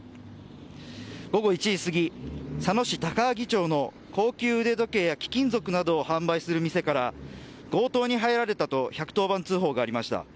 午後１時過ぎ佐野市の高級腕時計や貴金属などを販売する店から強盗に入られたと１１０番通報がありました。